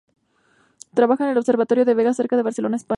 Trabaja en el observatorio de Begas cerca de Barcelona en España.